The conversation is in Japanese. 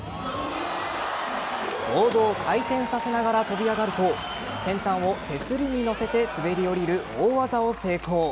ボードを回転させながら跳び上がると先端を手すりに乗せて滑り降りる大技を成功。